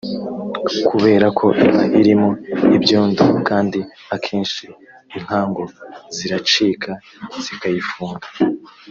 kubera ko iba irimo ibyondo kandi akenshi inkangu ziracika zikayifunga